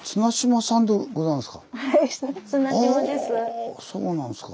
あそうなんですか。